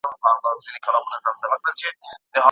کمپيوټر په هوټل کښي ځاى نيسي.